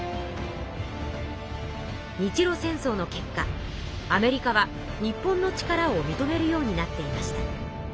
日露戦争の結果アメリカは日本の力をみとめるようになっていました。